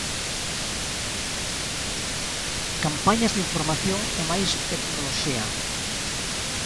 Campañas de información e máis tecnoloxía.